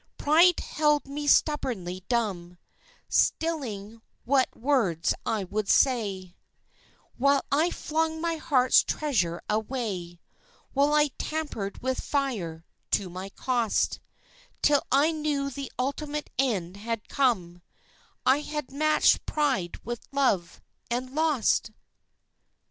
Pride held me stubbornly dumb, Stilling what words I would say, While I flung my heart's treasure away, While I tampered with fire to my cost; Till I knew the ultimate end had come I had matched pride with love and lost!